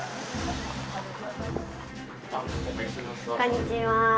こんにちは。